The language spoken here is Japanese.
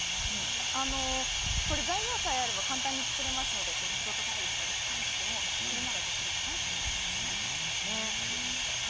材料さえあれば簡単に作れますので仕事帰りで疲れていてもこれならできるかなという感じでしたね。